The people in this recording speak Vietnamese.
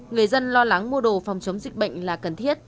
người dân lo lắng mua đồ phòng chống dịch bệnh là cần thiết